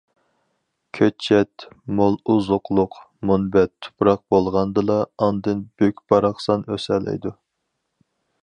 كۆچەت مول ئوزۇقلۇق، مۇنبەت تۇپراق بولغاندىلا، ئاندىن بۈك- باراقسان ئۆسەلەيدۇ.